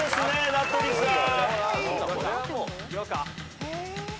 名取さん。